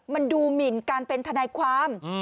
มันดูหมินการเป็นทนายความ